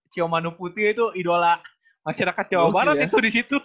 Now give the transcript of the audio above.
siomanu putih itu idola masyarakat jawa barat itu di situ